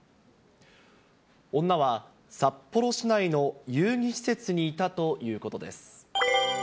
女は札幌市内の遊戯施設にいたということです。